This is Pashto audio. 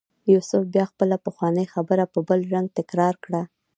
یوسف بیا خپله پخوانۍ خبره په بل رنګ تکرار کړه.